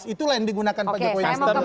itulah yang digunakan pak jokowi hastar